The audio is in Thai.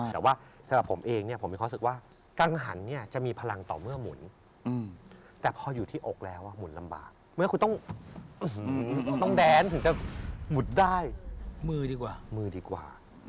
แต่ว่าสำหรับผมเองผมยังคาสึกว่า